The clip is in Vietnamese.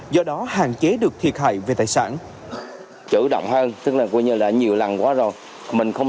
do đó hạn chế được thiệt hại về tài sản